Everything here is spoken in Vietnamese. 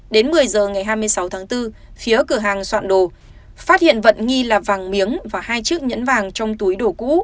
đến một mươi giờ ngày hai mươi sáu tháng bốn phía cửa hàng soạn đồ phát hiện vận nghi là vàng miếng và hai chiếc nhẫn vàng trong túi đồ cũ